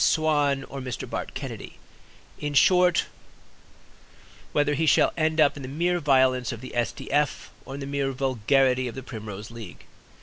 Swan or Mr. Bart Kennedy; in short, whether he shall end up in the mere violence of the S. D. F., or in the mere vulgarity of the Primrose League.